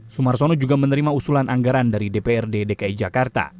sumarsono juga menerima usulan anggaran dari dprd dki jakarta